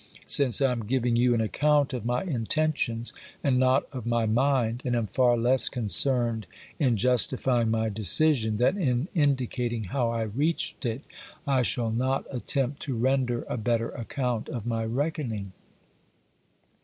Since I am giving you an account of my intentions, and not of my mind, and am far less concerned in justifying my decision than in indicating how I reached it, I shall not attempt to render a better account of my reckoning.